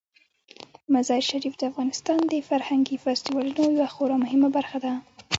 مزارشریف د افغانستان د فرهنګي فستیوالونو یوه خورا مهمه برخه ده.